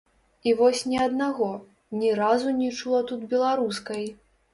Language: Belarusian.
І вось ні аднаго, ні разу не чула тут беларускай.